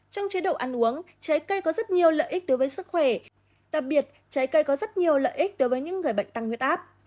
trong chế độ ăn uống trái cây có rất nhiều lợi ích đối với sức khỏe đặc biệt trái cây có rất nhiều lợi ích đối với những người bệnh tăng huyết áp